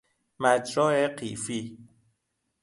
مجرا قیفی